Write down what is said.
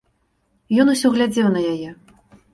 Ён усё глядзеў на яе.